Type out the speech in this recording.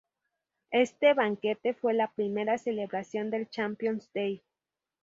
Este banquete fue la primera celebración del "Champions Day".